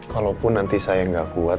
kalaupun nanti saya nggak kuat